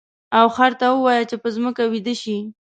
او خر ته ووایه چې په ځمکه ویده شي.